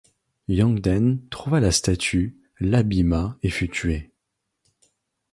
Yongden trouva la statue, l'abima et fut tué.